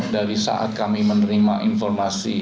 dari saat kami menerima informasi